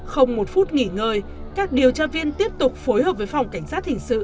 không một phút nghỉ ngơi các điều tra viên tiếp tục phối hợp với phòng cảnh sát hình sự